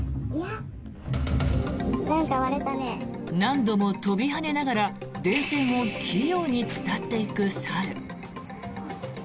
何度も飛び跳ねながら電線を器用に伝っていく猿。